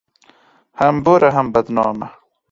هم بوره ، هم بدنامه